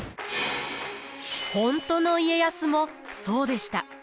本当の家康もそうでした。